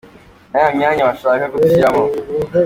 na ya myanya bashaka kudushyiramo.